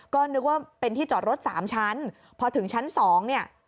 ก็นึกว่าเป็นที่จอดรถสามชั้นพอถึงชั้นสองเนี่ย